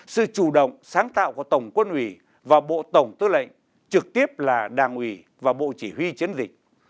sự chủ động sáng tạo của tổng quân ủy và bộ tổng tư lệnh trực tiếp là đảng ủy và bộ chỉ huy chiến dịch